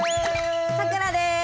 さくらです。